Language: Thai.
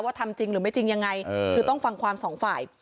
ทำจริงหรือไม่จริงยังไงคือต้องฟังความสองฝ่าย